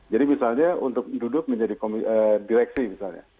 jadi misalnya untuk duduk menjadi direksi misalnya